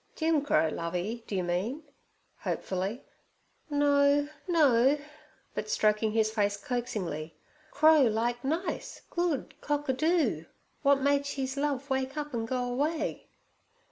'Jim Crow, Lovey, d'ye mean?' hopefully. 'No, no;' but stroking his face coaxingly: 'Crow like nice, good cock a doo, what made she's love wake up an' go away.'